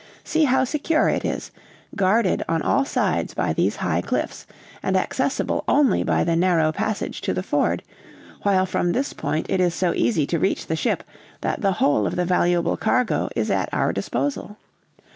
See how secure it is; guarded on all sides by these high cliffs, and accessible only by the narrow passage to the ford, while from this point it is so easy to reach the ship that the whole of the valuable cargo is at our disposal.